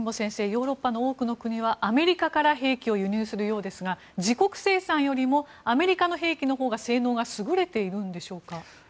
ヨーロッパの多くの国はアメリカから兵器を輸入するようですが自国生産よりもアメリカの兵器のほうが性能が優れているんでしょうか。